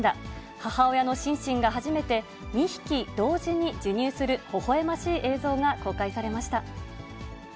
母親のシンシンが初めて、２匹同時に授乳するほほえましい映像が公開されました。